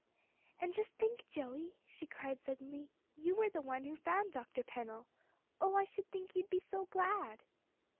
"And just think, Joey," she cried suddenly, "you were the one who found Dr. Pennell. Oh, I should think you'd be so glad!"